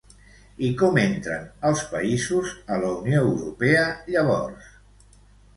I com entren els països a la Unió Europea llavors?